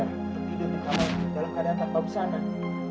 hidup di kamar dalam keadaan tanpa pesanan